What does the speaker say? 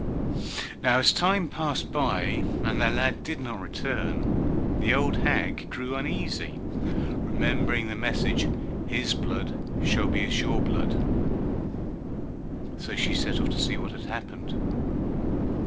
Now as time passed by and the lad did not return, the old hag grew uneasy, remembering the message "His blood shall be as your blood"; so she set off to see what had happened.